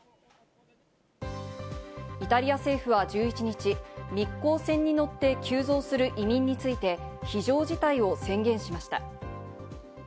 イタリア政府は１１日、密航船に乗って急増する移民について非常事態を宣言しました。